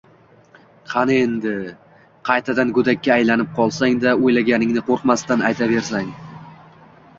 Qani endi, qaytadan go’dakka aylanib qolsang-da, o’ylaganingni qo’rqmasdan aytaversang.